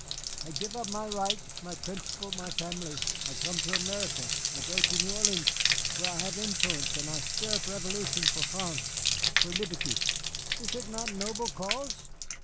"I give up my right, my principle, my family. I come to America I go to New Orleans where I have influence and I stir up revolution for France, for Liberty. Is it not noble cause?"